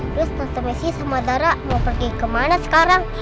terus tante messi sama zara mau pergi kemana sekarang